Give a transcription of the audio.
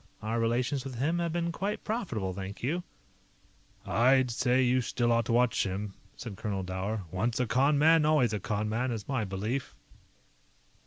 Our relations with him have been quite profitable, thank you." "I'd say you still ought to watch him," said Colonel Dower. "Once a con man, always a con man, is my belief."